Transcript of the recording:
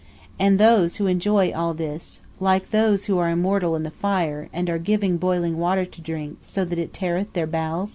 (Are those who enjoy all this) like those who are immortal in the Fire and are given boiling water to drink so that it teareth their bowels?